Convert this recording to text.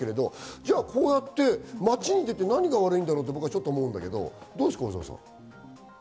じゃあ、こうやって街に出て何が悪いんだろうって僕はちょっと思うんだけど、どうですか？